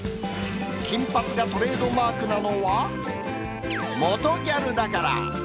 金髪がトレードマークなのは、元ギャルだから。